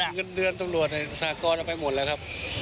เงินเดือนตำรวจสหกรณ์เอาไปหมดแล้วครับ